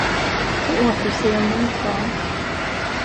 På återseende, mitt barn.